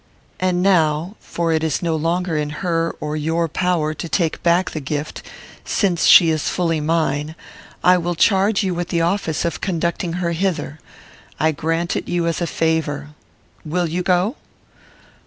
"And now, for it is no longer in her or your power to take back the gift, since she is fully mine, I will charge you with the office of conducting her hither. I grant it you as a favour. Will you go?"